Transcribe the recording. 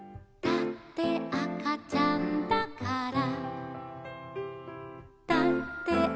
「だってあかちゃんだから」